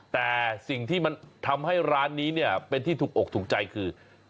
แต่สิ่งที่มันทำให้ร้านนี้เนี่ยเป็นที่ถูกอกถูกใจคือ